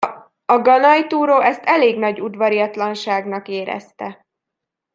A ganajtúró ezt elég nagy udvariatlanságnak érezte.